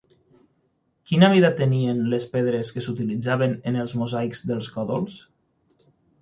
Quina mida tenien les pedres que s'utilitzaven en els mosaics dels còdols?